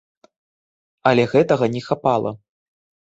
Але гэтага не хапала.